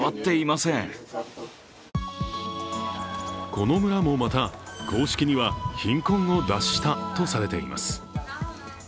この村もまた、公式には貧困を脱したとされています。